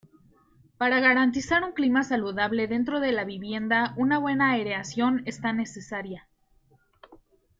Para garantizar un clima saludable dentro de la vivienda una buena aireación está necesaria.